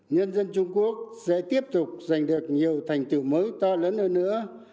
nhân dân trung quốc sẽ tiếp tục giành được nhiều thành tựu mới to lớn hơn nữa